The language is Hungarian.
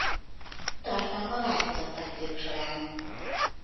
Tartalma változott az idők során.